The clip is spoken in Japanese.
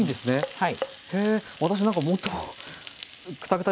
はい。